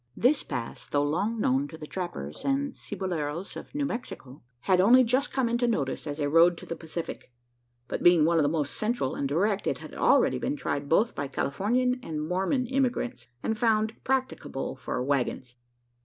This pass, though long known to the trappers and ciboleros of New Mexico, had only just come into notice as a road to the Pacific; but, being one of the most central and direct, it had already been tried both by Californian and Mormon emigrants, and found practicable for waggons.